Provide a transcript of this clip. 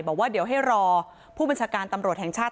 บอกว่าเดี๋ยวให้รอผู้บัญชาการตำรวจแห่งชาติ